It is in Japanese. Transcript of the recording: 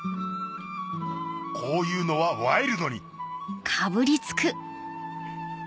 こういうのはワイルドにうん。